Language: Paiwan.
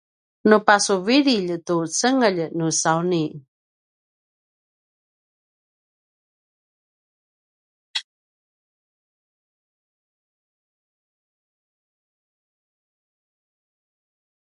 nu pasuvililj tu cengelj nusauni